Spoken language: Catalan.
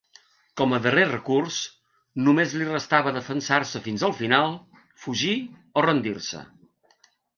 Com a darrer recurs, només li restava defensar-se fins al final, fugir o rendir-se.